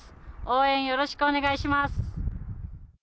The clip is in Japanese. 応援よろしくお願いします。